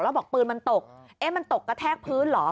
แล้วบอกปืนมันตกเอ๊ะมันตกกระแทกพื้นเหรอ